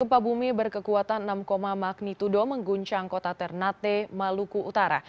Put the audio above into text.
gempa bumi berkekuatan enam magnitudo mengguncang kota ternate maluku utara